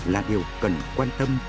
là điều cần quan tâm